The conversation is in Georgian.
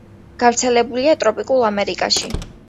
გავრცელებულია ტროპიკულ ამერიკაში.